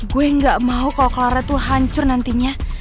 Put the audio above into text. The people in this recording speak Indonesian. gue gak mau kalo clara tuh hancur nantinya